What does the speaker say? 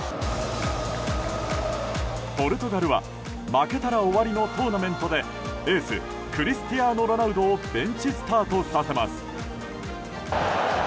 ポルトガルは負けたら終わりのトーナメントでエースクリスティアーノ・ロナウドをベンチスタートさせます。